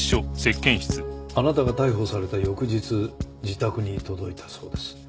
あなたが逮捕された翌日自宅に届いたそうです。